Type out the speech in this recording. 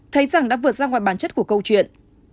thấy rằng đã vượt ra ngoài bản chất của câu chuyện